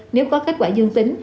nếu có kết quả dương tính